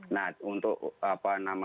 nah untuk penyakit